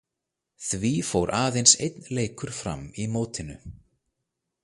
Því fór aðeins einn leikur fram í mótinu.